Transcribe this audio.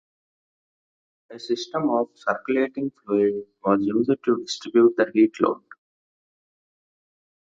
A system of circulating fluid was used to distribute the heat load.